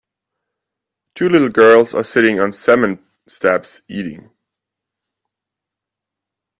Two little girls are sitting on cement steps eating